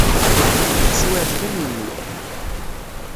Taswiɛt kan yemmut.